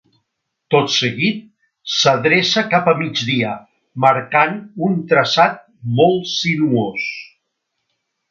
Tot seguit s'adreça cap a migdia, marcant un traçat molt sinuós.